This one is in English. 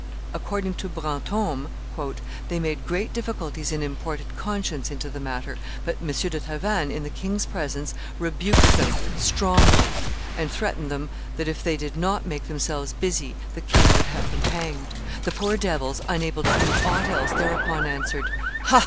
According to Brantome, "they made great difficulties and imported conscience into the matter; but M. de Tavannes, in the king's presence, rebuked them strongly, and threatened them that, if they did not make themselves busy, the king would have them hanged. The poor devils, unable to do aught else, thereupon answered, 'Ha!